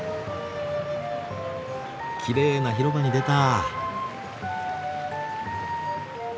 きれいな広場に出た。